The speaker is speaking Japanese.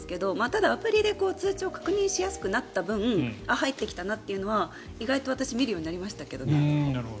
ただアプリで通帳を確認しやすくなった分入ってきたなっていうのは意外と私見るようになりましたけどね。